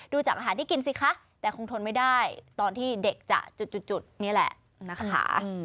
จากอาหารที่กินสิคะแต่คงทนไม่ได้ตอนที่เด็กจะจุดนี่แหละนะคะ